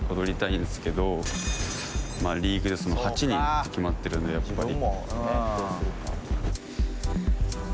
リーグ８人って決まってるんでやっぱり。